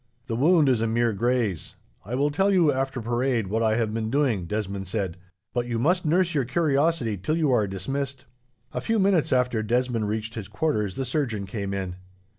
"The wound is a mere graze. I will tell you, after parade, what I have been doing," Desmond said, "but you must nurse your curiosity till you are dismissed." A few minutes after Desmond reached his quarters, the surgeon came in.